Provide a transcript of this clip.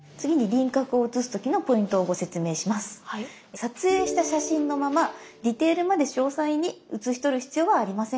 撮影した写真のままディテールまで詳細に写しとる必要はありません。